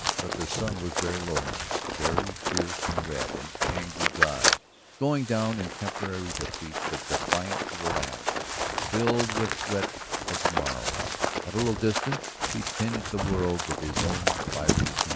But the sun was very low now, very fierce and red, an angry god going down in temporary defeat, but defiant to the last, filled with threat for to morrow; at a little distance he tinged the world with his own fiery hue.